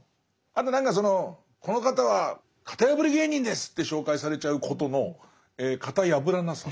あと何かその「この方は型破り芸人です！」って紹介されちゃうことの型破らなさ。